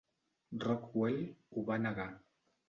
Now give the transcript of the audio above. Rockwell ho va negar.